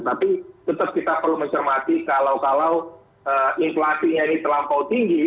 tapi tetap kita perlu mencermati kalau kalau inflasinya ini terlampau tinggi